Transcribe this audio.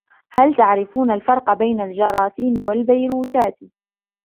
هل تعرفون الفرق بين الجراثيم و الفيروسات؟